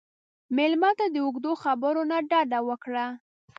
مېلمه ته د اوږدو خبرو نه ډډه وکړه.